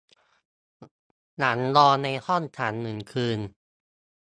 หลังนอนในห้องขังหนึ่งคืน